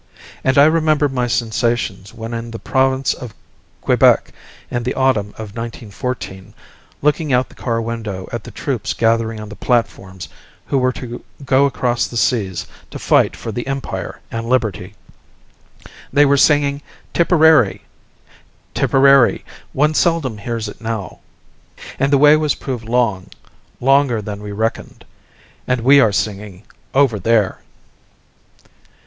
And I remember my sensations when in the province of Quebec in the autumn of 1914, looking out of the car window at the troops gathering on the platforms who were to go across the seas to fight for the empire and liberty. They were singing "Tipperary!" "Tipperary!" One seldoms hears it now, and the way has proved long longer than we reckoned. And we are singing "Over There!"